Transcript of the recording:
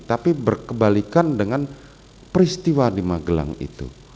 tapi berkebalikan dengan peristiwa di magelang itu